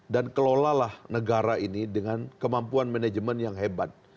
dan kelolalah negara ini dengan kemampuan manajemen yang hebat